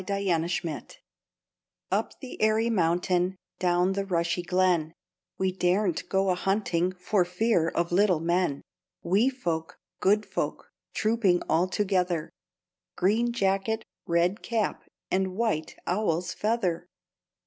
THE FAIRIES Up the airy mountain, Down the rushy glen, We daren't go a hunting For fear of little men; Wee folk, good folk, Trooping all together; Green jacket, red cap, And white owl's feather!